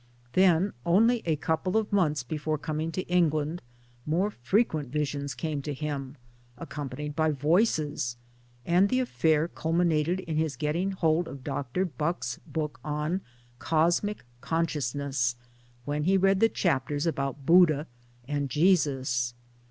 Then, only a couple of months before coming to England, more frequent visions came to him, accompanied by voices ; and the affair culminated in his getting hold of Dr. Bucke's book on Cosmic Consciousness when he read the chapters about Buddha and Jesus.